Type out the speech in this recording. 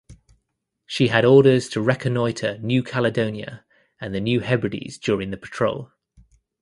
She had orders to reconnoiter New Caledonia and the New Hebrides during the patrol.